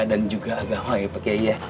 dan juga agama pak kiai ya